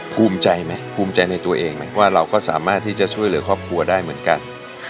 ภูมิใจไหมภูมิใจในตัวเองไหมว่าเราก็สามารถที่จะช่วยเหลือครอบครัวได้เหมือนกัน